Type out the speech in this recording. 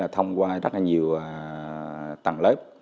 thông qua rất nhiều tầng lớp